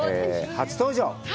初登場。